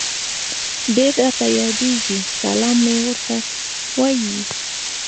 ډير راته ياديږي سلام مي ورته وايه